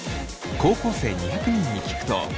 高校生２００人に聞くと。